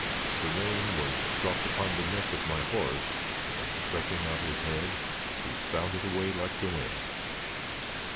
The rein was dropped upon the neck of my horse, and, stretching out his head, he bounded away like the wind.